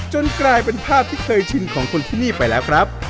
กลายเป็นภาพที่เคยชินของคนที่นี่ไปแล้วครับ